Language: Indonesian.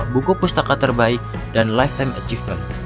buku pustaka terbaik dan lifetime achievement